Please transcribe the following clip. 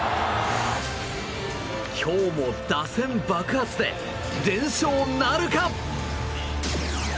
今日も打線爆発で連勝なるか。